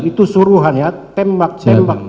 itu suruhan ya tembak tembak